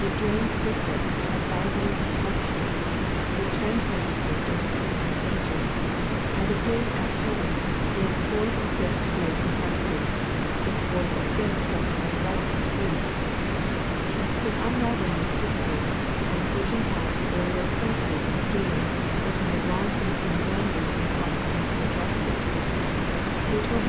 It drains districts of divers struc ture ; it traverses districts of different ages ; and it is at present in its fourth or fifth degree of complexity, its fourth or fifth cycle of development at least. In unravelling its history and search ing out the earlier courses of streams which may have long since been abandoned in the processes of mature adjustment, it will be The Rivers and Valleys of Pennsyh)ania.